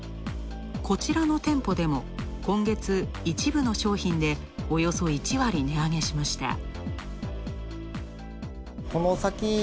こちらの店舗でも今月一部の商品で、およそ１割値上げしました。